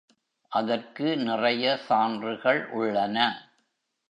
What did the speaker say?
அதற்கு நிறைய சான்றுகள் உள்ளன.